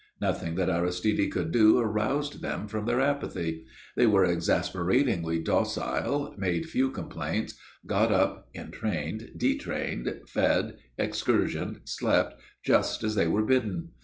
Nothing that Aristide could do roused them from their apathy. They were exasperatingly docile, made few complaints, got up, entrained, detrained, fed, excursioned, slept, just as they were bidden.